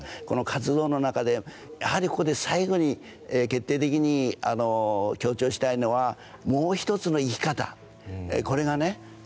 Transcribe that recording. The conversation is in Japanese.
この活動の中でやはりここで最後に決定的に強調したいのはもうひとつの生き方これがね